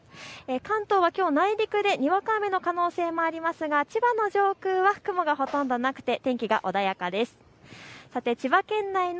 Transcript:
関東はきょう内陸でにわか雨の可能性がありますが、千葉の上空は雲がほとんどなくて天気は穏やかです。